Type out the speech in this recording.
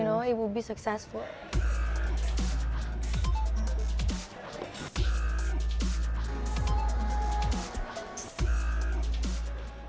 anda tahu itu akan berhasil